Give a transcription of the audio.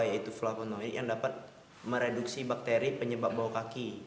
yaitu flavonoid yang dapat mereduksi bakteri penyebab bawa kaki